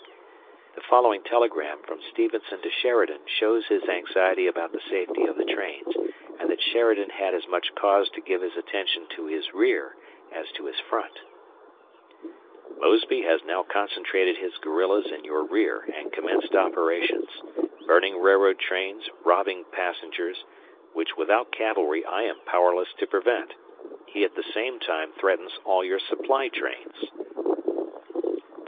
The following telegram from Stevenson to Sheridan shows his anxiety about the safety of the trains and that Sheridan had as much cause togive his attention to his rear as to his front: Mosby has now concentrated his guerrillas in your rear and commenced operations; burning railroad trains, robbing passengers, which without cavalry I am powerless to prevent. He at the same time threatens all your supply trains.